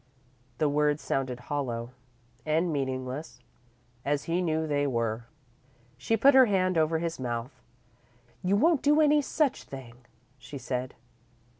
The words sounded hollow and meaningless, as he knew they were. She put her hand over his mouth. "You won't do any such thing," she said.